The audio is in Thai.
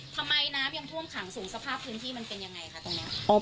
ทำไมน้ำยังท่วมขังสูงสภาพพื้นที่มันเป็นยังไงคะตรงนี้